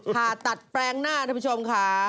ผ่าตัดแปลงหน้าท่านผู้ชมค่ะ